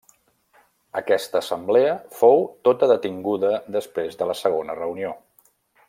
Aquesta Assemblea fou tota detinguda després de la segona reunió.